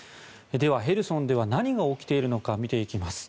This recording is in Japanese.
では、ヘルソンでは何が起きているのか見ていきます。